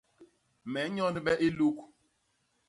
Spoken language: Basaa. Me nnyondbe i luk.